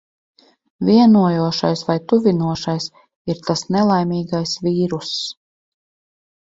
Vienojošais vai tuvinošais ir tas nelaimīgais vīruss.